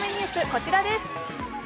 こちらです。